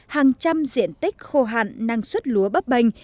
hàng trăm diện tích khô hạn năng suất lúa bắp bềnh